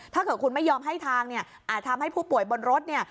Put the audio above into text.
ถ้าเกิดคุณไม่ยอมให้ทางเนี่ยอาจทำให้ผู้ป่วยบนรถเนี่ย